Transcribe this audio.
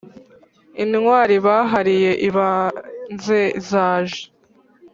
Intwari bahariye ibanze zaje